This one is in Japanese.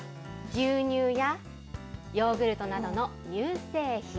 牛乳やヨーグルトなどの乳製品。